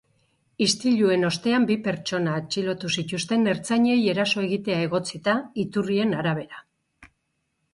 Istiluen ostean bi pertsona atxilotu zituzten ertzainei eraso egitea egotzita, iturrien arabera.